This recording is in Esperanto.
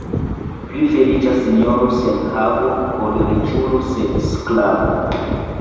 Pli feliĉa sinjoro sen havo, ol riĉulo sed sklavo.